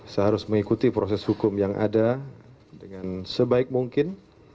saya harus mengikuti proses hukum yang ada dengan sebaik mungkin